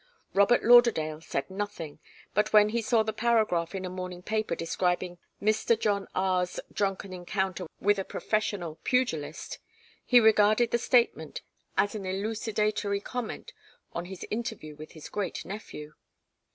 Robert Lauderdale said nothing, but when he saw the paragraph in a morning paper describing 'Mr. John R 's drunken encounter with a professional pugilist,' he regarded the statement as an elucidatory comment on his interview with his great nephew.